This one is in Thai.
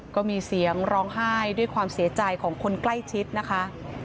ก็มีเสียงร้องไห้ด้วยความเสียใจของคนใกล้ชิดนะคะ